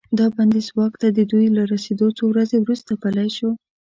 دا بندیز واک ته د دوی له رسیدو څو ورځې وروسته پلی شو.